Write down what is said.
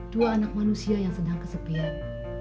dua anak manusia yang sedang kesepian